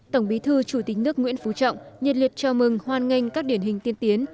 tổng bí thư chủ tịch nước nguyễn phú trọng nhiệt liệt chào mừng hoan nghênh các điển hình tiên tiến